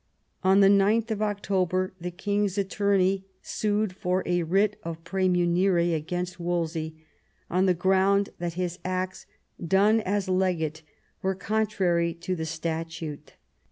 On 9th October the king's attorney sued for a writ of proemunire against Wolsey, on the ground that his acts done as legate were contrary to the statute.